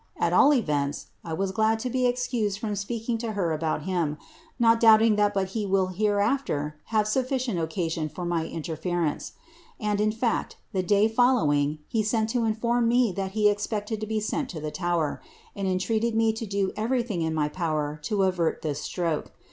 At all events, I was glad to be excused from speaking to her about him, not doubting but that he will hereafter have sufficient occasion for my interference ; mnd| in fact, the day following he sent to inform me that he expected to be tent to the Tower, and entreated me to do everything in my power to avert this stroke.